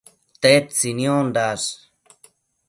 Tedtsi niondash?